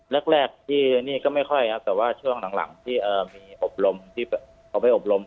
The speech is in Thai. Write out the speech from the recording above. แรกที่นี่ก็ไม่ค่อยครับแต่ว่าช่วงหลังที่มีอบรมที่เขาไปอบรม